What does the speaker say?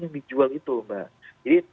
dijual itu mbak jadi